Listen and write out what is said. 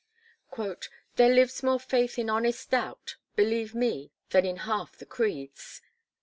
"There lives more faith in honest doubt, Believe me, than in half the creeds."